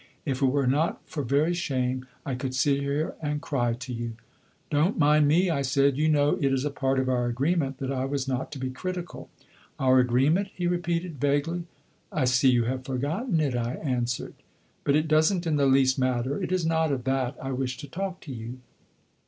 If it were not for very shame I could sit here and cry to you.' 'Don't mind me,' I said; 'you know it is a part of our agreement that I was not to be critical.' 'Our agreement?' he repeated, vaguely. 'I see you have forgotten it,' I answered; 'but it does n't in the least matter; it is not of that I wish to talk to you.